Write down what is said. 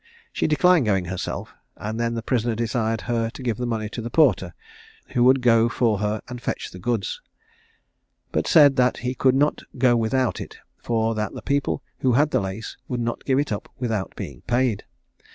She declined going herself, and then the prisoner desired her to give the money to the porter, who would go for her and fetch the goods, but said that he could not go without it, for that the people who had the lace would not give it up without being paid.